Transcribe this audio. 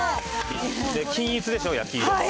均一でしょ焼き色も。